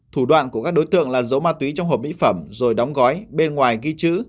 thủ đoạn của các đối tượng là giấu ma túy trong hộp mỹ phẩm rồi đóng gói bên ngoài ghi chữ